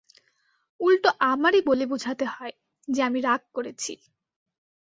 উল্টো আমারই বলে বুঝাতে হয়, যে আমি রাগ করেছি।